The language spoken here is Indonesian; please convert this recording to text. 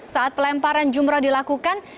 saat pelemparan jumroh dilakukan